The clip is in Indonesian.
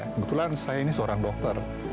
kebetulan saya ini seorang dokter